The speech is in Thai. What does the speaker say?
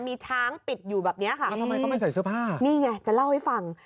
มีช้างปิดอยู่แบบเนี้ยค่ะแล้วทำไมเขาไม่ใส่เสื้อผ้านี่ไงจะเล่าให้ฟัง